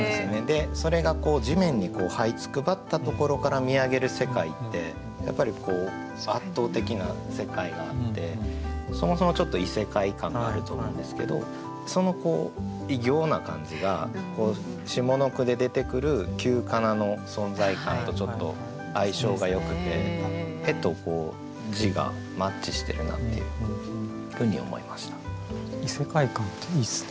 それが地面にはいつくばったところから見上げる世界ってやっぱりこう圧倒的な世界があってそもそもちょっと異世界感があると思うんですけどその異形な感じが下の句で出てくる旧仮名の存在感とちょっと相性がよくて絵と字がマッチしてるなっていうふうに思いました。